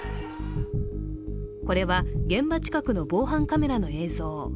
これは、現場近くの防犯カメラの映像。